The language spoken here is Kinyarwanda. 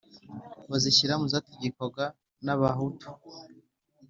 bazishyira mu zategekwaga n'abahutu.